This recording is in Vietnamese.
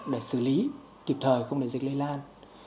để xử lý kịp thời không để dịch lây lan